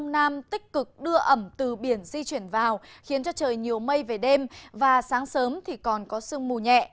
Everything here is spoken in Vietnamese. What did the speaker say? lực đưa ẩm từ biển di chuyển vào khiến cho trời nhiều mây về đêm và sáng sớm còn có sương mù nhẹ